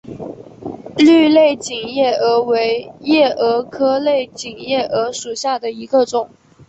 绿类锦夜蛾为夜蛾科类锦夜蛾属下的一个种。